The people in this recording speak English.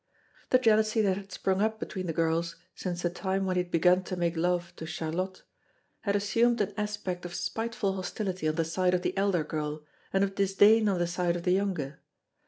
The jealousy that had sprung up between the girls since the time when he had begun to make love to Charlotte had assumed an aspect of spiteful hostility on the side of the elder girl and of disdain on the side of the younger.